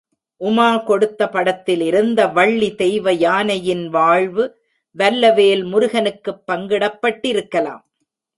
உமா கொடுத்த படத்திலிருந்த வள்ளி தெய்வயானையின் வாழ்வு வல்லவேல் முருகனுக்குப் பங்கிடப்பட்டிருக்கலாம்.